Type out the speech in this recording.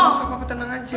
nggak usah papa tenang aja